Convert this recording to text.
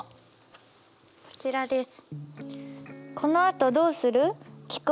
こちらです。